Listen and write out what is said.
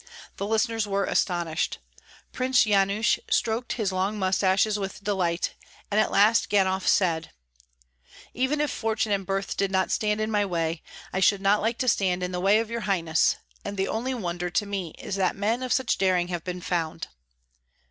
The listeners were astonished; Prince Yanush stroked his long mustaches with delight, and at last Ganhoff said, "Even if fortune and birth did not stand in my way, I should not like to stand in the way of your highness, and the only wonder to me is that men of such daring have been found."